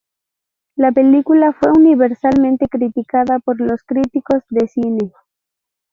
La película fue universalmente criticada por los críticos de cine.